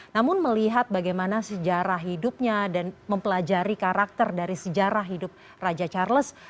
namun melihat bagaimana sejarah hidupnya dan mempelajari karakter dari sejarah hidup raja charles